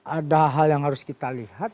ada hal yang harus kita lihat